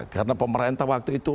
karena pemerintah waktu itu